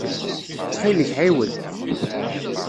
Ttxil-k ɛiwed.